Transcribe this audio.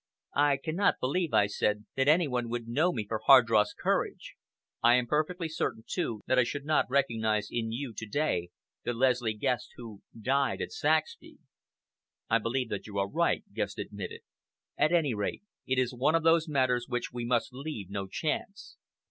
"I cannot believe," I said, "that any one would know me for Hardross Courage. I am perfectly certain, too, that I should not recognize in you to day the Leslie Guest who died at Saxby." "I believe that you are right," Guest admitted. "At any rate, it is one of those matters which we must leave no chance.